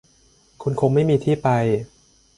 คุณคงไม่มีที่ไป